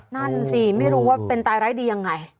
นั่นสิไม่รู้ว่าเป็นตายร้ายดียังไง